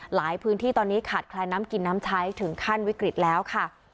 หลายพื้นที่ตอนนี้ขาดแคลนน้ำกินน้ำใช้ถึงขั้นวิกฤตแล้วค่ะ